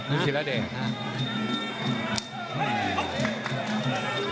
คุณศิลดิ